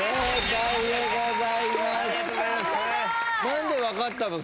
何で分かったの？